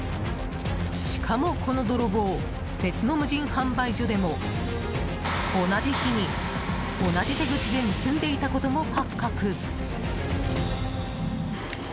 しかも、この泥棒別の無人販売所でも同じ日に、同じ手口で盗んでいたことも発覚。